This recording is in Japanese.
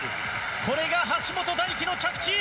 これが橋本大輝の着地。